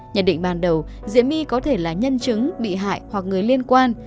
nhận định ban đầu diễm my có thể là nhân chứng bị hại hoặc người liên quan